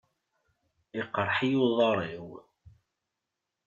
Iqerḥ-iyi uḍar-iw.